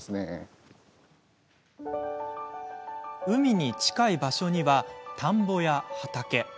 海に近い場所には田んぼや畑。